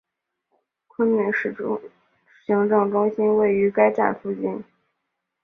昆明市行政中心位于该站附近。